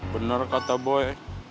bener kata boy